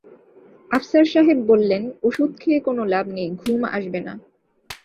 আফসার সাহেব বললেন, অষুধ খেয়ে কোনো লাভ নেই, ঘুম আসবে না।